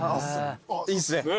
・いいっすね。